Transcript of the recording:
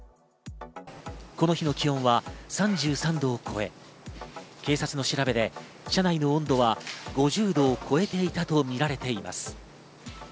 この日の気温は３３度を超え、警察の調べで車内の温度は５０度を超えていたとみられています。